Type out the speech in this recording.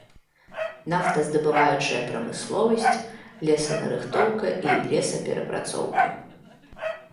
Нафтаздабываючая прамысловасць, лесанарыхтоўка і лесаперапрацоўка.